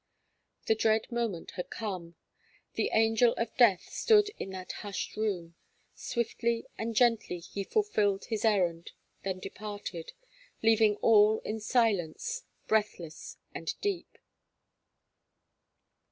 The dread moment had come. The angel of death stood in that hushed room; swiftly and gently he fulfilled his errand, then departed, leaving all in silence, breathless and deep.